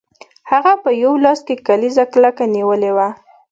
هغه په یو لاس کې کلیزه کلکه نیولې وه